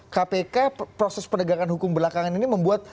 kpk proses penegakan hukum belakangan ini membuat